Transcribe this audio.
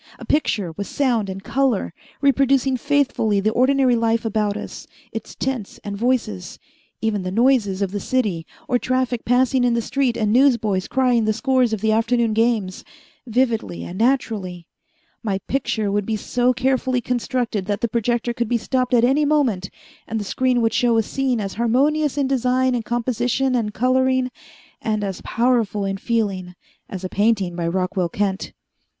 A picture with sound and color, reproducing faithfully the ordinary life about us, its tints and voices, even the noises of the city or traffic passing in the street and newsboys crying the scores of the afternoon games vividly and naturally. My picture would be so carefully constructed that the projector could be stopped at any moment and the screen would show a scene as harmonious in design and composition and coloring, and as powerful in feeling, as a painting by Rockwell Kent."